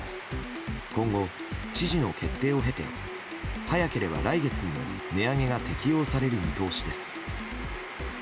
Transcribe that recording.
今後、知事の決定を経て早ければ来月にも値上げが適用される見通しです。